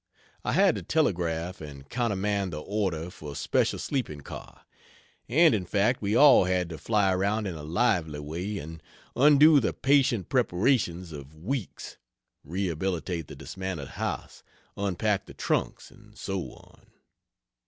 I had to telegraph and countermand the order for special sleeping car; and in fact we all had to fly around in a lively way and undo the patient preparations of weeks rehabilitate the dismantled house, unpack the trunks, and so on.